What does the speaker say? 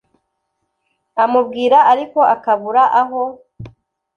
amubwira ariko akabura aho